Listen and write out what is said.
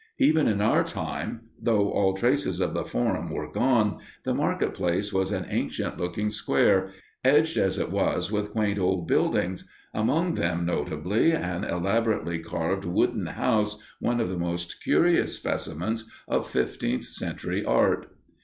Even in our time, though all traces of the forum were gone, the market place was an ancient looking square, edged as it was with quaint old buildings, among them, notably, an elaborately carved wooden house, one of the most curious specimens of fifteenth century art.